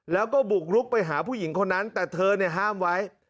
แล้วก็บุกลุกไปหาผู้หญิงคนนั้นแต่เธอเนี่ยห้ามไว้